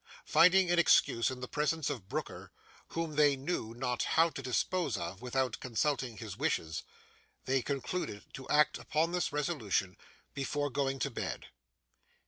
Finding an excuse in the presence of Brooker, whom they knew not how to dispose of without consulting his wishes, they concluded to act upon this resolution before going to bed.